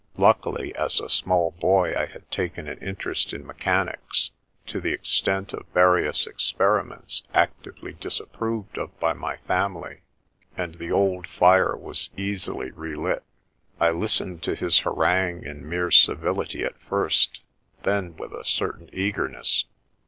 Luckily, as a small boy, I had taken an interest in mechanics, to the extent of various experiments actively disap proved of by my family, and the old fire was easily relit. I listened to his harangue in mere civility at first, then with a certain eagerness.